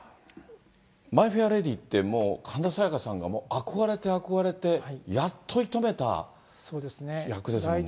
マイ・フェア・レディってもう神田沙也加さんが憧れて憧れて、やっと射止めた役ですもんね。